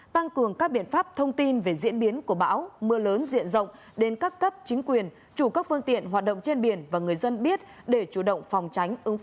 tăng cường các biện pháp thông tin về diễn biến của bão mưa lớn diện rộng đến các cấp chính quyền chủ các phương tiện hoạt động trên biển và người dân biết để chủ động phòng tránh ứng phó